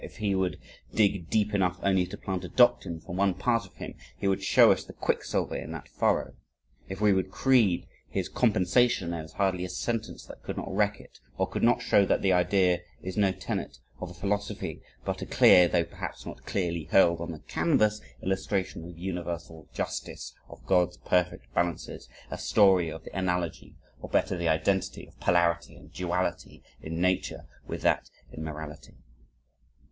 If we would dig deep enough only to plant a doctrine, from one part of him, he would show us the quick silver in that furrow. If we would creed his Compensation, there is hardly a sentence that could not wreck it, or could not show that the idea is no tenet of a philosophy, but a clear (though perhaps not clearly hurled on the canvas) illustration of universal justice of God's perfect balances; a story of the analogy or better the identity of polarity and duality in Nature with that in morality.